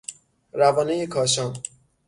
روانهی کاشان